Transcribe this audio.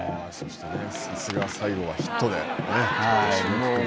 さすが最後はヒットで締めくくる。